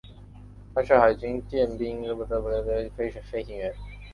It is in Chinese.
他是海军舰载航空兵部队成立后第一位牺牲的飞行员。